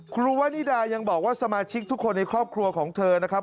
วานิดายังบอกว่าสมาชิกทุกคนในครอบครัวของเธอนะครับ